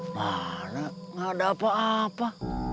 mana gak ada apa apa